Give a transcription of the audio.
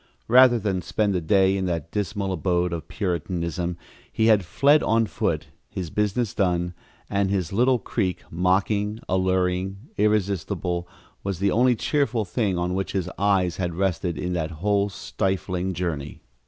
Rather than spend the day in that dismal abode of Puritanism he had fled on foot, his business done, and this little creek, mocking, alluring, irresistible, was the only cheerful thing on which his eyes had rested in that whole stifling journey.